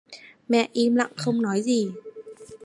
mẹ im lặng không nói gì